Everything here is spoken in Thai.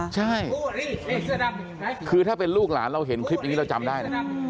ใช่คือถ้าเป็นลูกหลานเราเห็นคลิปอย่างนี้เราจำได้นะ